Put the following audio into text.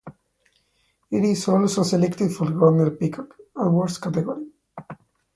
It is also selected for Golden Peacock Awards category.